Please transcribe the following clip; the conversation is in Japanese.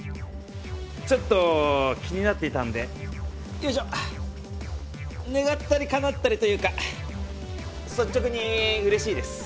ちょっと気になっていたんでよいしょ願ったり叶ったりというか率直に嬉しいです。